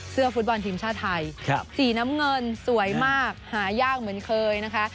ฟุตบอลทีมชาติไทยสีน้ำเงินสวยมากหายากเหมือนเคยนะคะ